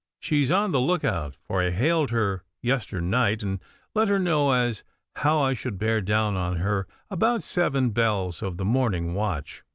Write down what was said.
She's on the look out, for I hailed her yesternight, and let her know as how I should bear down on her about seven bells of the morning watch.